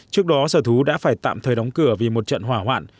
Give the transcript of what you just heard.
trước đó sở thú đã phải tạm thời đóng cửa vì một trận hỏa hoạn